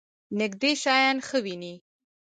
نږدې شیان ښه وینئ؟